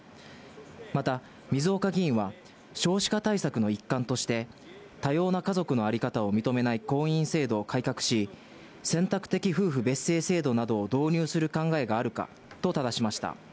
また、水岡議員は少子化対策の一環として、多様な家族の在り方を認めない婚姻制度を改革し、選択的夫婦別姓制度などを導入する考えがあるかとただしました。